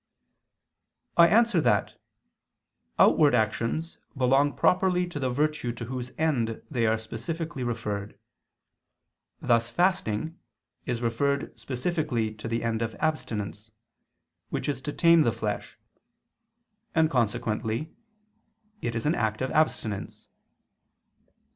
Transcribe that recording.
I answer that, Outward actions belong properly to the virtue to whose end they are specifically referred: thus fasting is referred specifically to the end of abstinence, which is to tame the flesh, and consequently it is an act of abstinence.